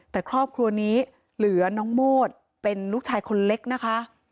แต่ครอบครัวนี้เหลือน้องโมดเป็นลูกชายคนเล็กนะคะ